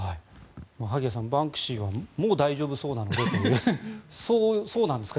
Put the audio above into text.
萩谷さん、バンクシーはもう大丈夫そうなのでとそうなんですか？